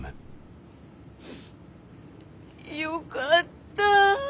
よかった。